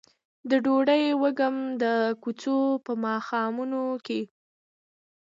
د ډوډۍ وږم د کوڅو په ماښامونو کې